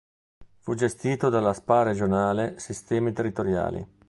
Fu gestito dalla SpA regionale Sistemi Territoriali.